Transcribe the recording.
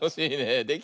できた？